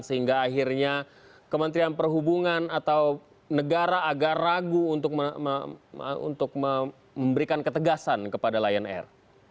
sehingga akhirnya kementerian perhubungan atau negara agak ragu untuk memberikan ketegasan kepada lion air